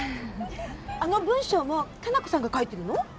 あの文章も果奈子さんが書いてるの？